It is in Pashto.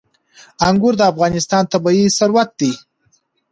انګور د افغانستان طبعي ثروت دی.